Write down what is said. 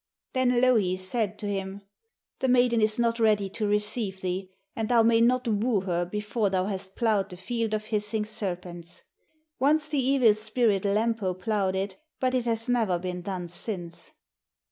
Then Louhi said to him: 'The maiden is not ready to receive thee, and thou may not woo her before thou hast ploughed the field of hissing serpents. Once the evil spirit Lempo ploughed it, but it has never been done since.'